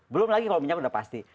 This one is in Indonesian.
belum lagi kalau minyak udah pasti